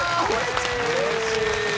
うれしい！